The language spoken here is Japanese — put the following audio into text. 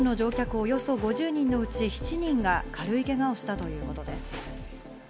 およそ５０人のうち７人が軽いけがをしたということです。